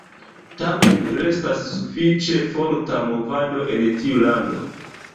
Tamen restas sufiĉe forta movado en tiu lando.